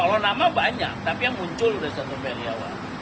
kalau nama banyak tapi yang muncul sudah satu pak haryawan